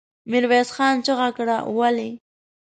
ميرويس خان چيغه کړه! ولې؟